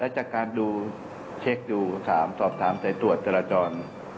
จากการดูเช็คดูถามสอบถามสายตรวจจราจร